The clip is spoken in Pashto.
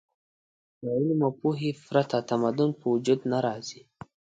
د علم او پوهې پرته تمدن په وجود نه راځي.